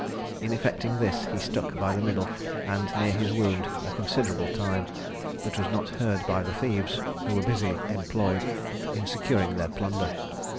In effecting this he stuck by the middle, and near his wound, a considerable time, but was not heard by the thieves, who were busily employed in securing their plunder.